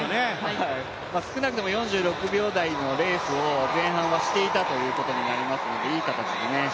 少なくとも４６秒台のレースを前半はしていたということになりますからいい形でね。